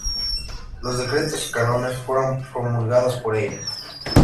Los decretos y cánones fueron promulgados por ella.